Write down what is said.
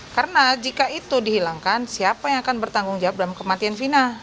karena jika itu dihilangkan siapa yang akan bertanggung jawab dalam kematian vina